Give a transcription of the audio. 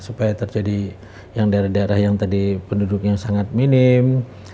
supaya terjadi yang daerah daerah yang tadi penduduknya sangat minim